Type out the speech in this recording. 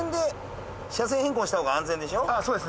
そうですね